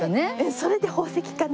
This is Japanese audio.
それで宝石かな？